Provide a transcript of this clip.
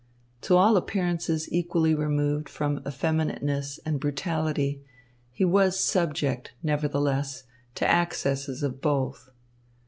To all appearances equally removed from effeminateness and brutality, he was subject, nevertheless, to accesses of both.